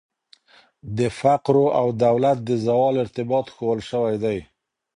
د فقرو او دولت د زوال ارتباط ښوول سوي دي.